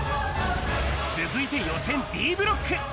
続いて予選Ｄブロック。